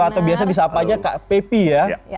atau biasa bisa apanya kak pepi ya